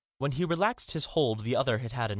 When he relaxed his hold the other had had enough.